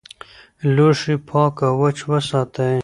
لوښي پاک او وچ وساتئ.